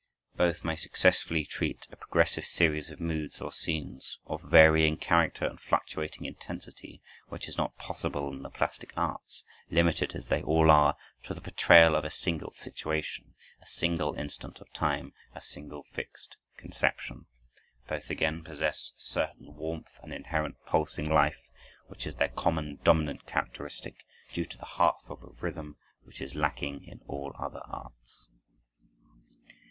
Both may successfully treat a progressive series of moods or scenes, of varying character, and fluctuating intensity, which is not possible in the plastic arts, limited as they all are to the portrayal of a single situation, a single instant of time, a single fixed conception. Both, again, possess a certain warmth and inherent pulsing life, which is their common, dominant characteristic, due to the heart throb of rhythm, which is lacking in all other arts.